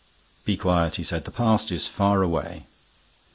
] "Be quiet," he said. "The past is far away."